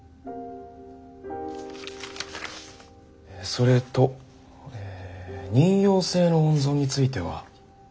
それとえ妊孕性の温存については。